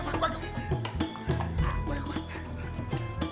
tangan saya berlipat ini